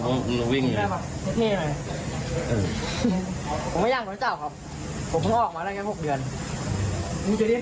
วิ่งไงไม่อยากรู้จักครับผมก็ออกมาแล้วกันหกเดือน